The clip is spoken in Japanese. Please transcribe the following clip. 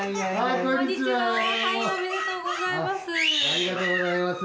ありがとうございます。